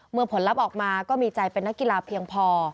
ผลลัพธ์ออกมาก็มีใจเป็นนักกีฬาเพียงพอ